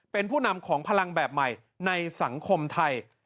เป็นผู้นำของพลังแบบใหม่ในสังคมไทย